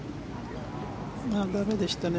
駄目でしたね。